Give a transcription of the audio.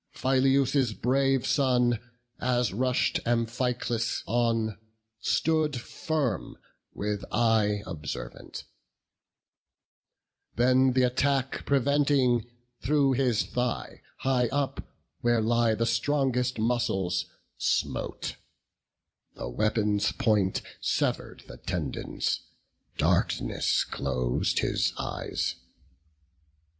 Phyleus' brave son, as rush'd Amphiclus on, Stood firm, with eye observant; then th' attack Preventing, through his thigh, high up, where lie The strongest muscles, smote; the weapon's point Sever'd the tendons; darkness clos'd his eyes.